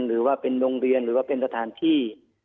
หรือว่าเป็นโรงเรียนหรือว่าเป็นสถานที่